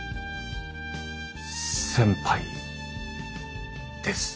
先輩です。